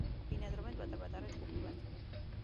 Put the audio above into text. ბინადრობენ პატარ-პატარა ჯგუფებად.